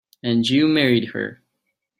And you married her.